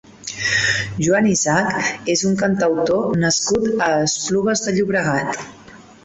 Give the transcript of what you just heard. Joan Isaac és un cantautor nascut a Esplugues de Llobregat.